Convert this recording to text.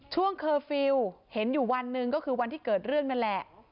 เคอร์ฟิลล์เห็นอยู่วันหนึ่งก็คือวันที่เกิดเรื่องนั่นแหละ